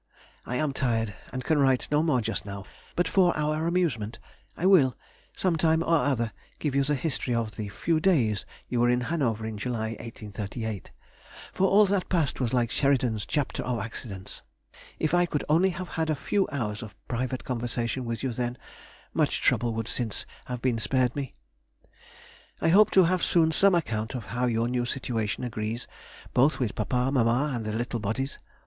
I am tired, and can write no more just now, but for our amusement I will, some time or other, give you the history of the few days you were in Hanover, in July, 1838. For all that past was like Sheridan's Chapter of Accidents. If I could only have had a few hours of private conversation with you then, much trouble would since have been spared me. I hope to have soon some account of how your new situation agrees both with papa, mamma, and the little bodies.